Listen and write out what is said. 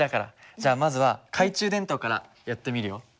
じゃあまずは懐中電灯からやってみるよ。